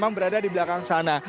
yang berada di belakang sana